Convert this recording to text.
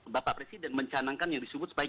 bapak presiden mencanangkan yang disebut sebagai